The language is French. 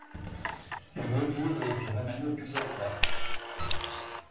L’église a été remaniée plusieurs fois.